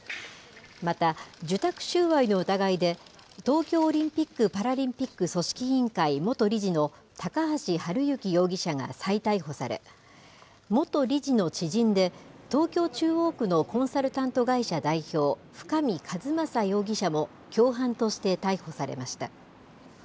また受託収賄の疑いで、東京オリンピック・パラリンピック組織委員会元理事の高橋治之容疑者が再逮捕され、元理事の知人で、東京・中央区のコンサルタント会社代表、深見和政容疑者も、共犯として逮捕されました。